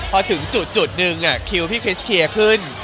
พอถึงจุดนึงคิวพี่คริสเคลียร์ขึ้น